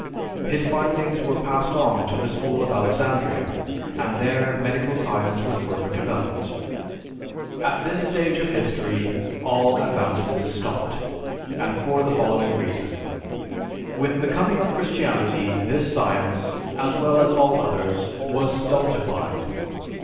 His findings were passed on to the School of Alexandria, and there medical science was further developed. At this stage of history all advances stopped, and for the following reason: With the coming of Christianity this science, as well as all others, was stultified.